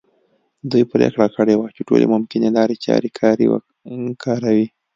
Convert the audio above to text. دوی پرېکړه کړې وه چې ټولې ممکنه لارې چارې کاروي.